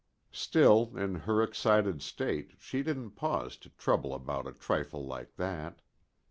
Still, in her excited state, she didn't pause to trouble about a trifle like that.